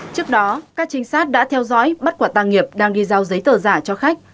trước đó các trinh sát đã theo dõi bắt quả tàng nghiệp đang đi giao giấy tờ giả cho khách